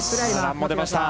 ランも出ました。